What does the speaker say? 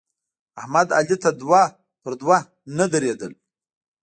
احمد علي ته دوه پر دوه نه درېدل.